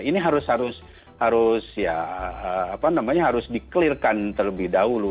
ini harus di clear kan terlebih dahulu